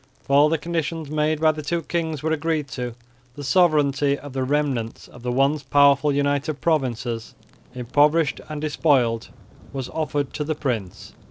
If all the conditions made by the two kings were agreed to, the sovereignty of the remnants of the once powerful United Provinces, impoverished and despoiled, was offered to the prince.